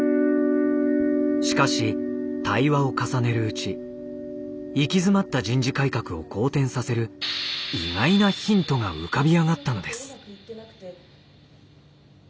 しかし対話を重ねるうち行き詰まった人事改革を好転させる意外なヒントが浮かびあがったのです。